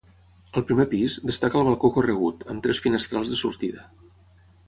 Al primer pis, destaca el balcó corregut, amb tres finestrals de sortida.